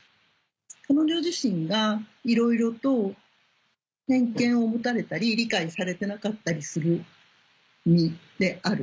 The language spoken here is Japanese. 彼女自身がいろいろと偏見を持たれたり理解されてなかったりする身である。